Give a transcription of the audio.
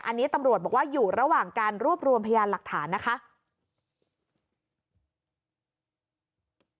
อันนี้ตำรวจบอกว่าอยู่ระหว่างการรวบรวมพยานหลักฐานนะคะ